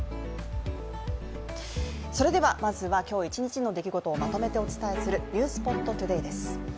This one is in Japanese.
それではまずは今日一日の出来事をまとめてお伝えする「ｎｅｗｓｐｏｔＴｏｄａｙ」です。